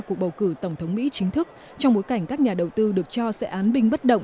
cuộc bầu cử tổng thống mỹ chính thức trong bối cảnh các nhà đầu tư được cho sẽ án binh bất động